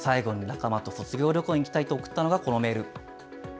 最後に仲間と卒業旅行に行きたいと送ったのがこのメール。